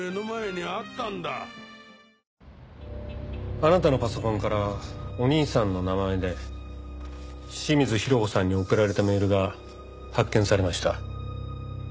あなたのパソコンからお兄さんの名前で清水裕子さんに送られたメールが発見されました。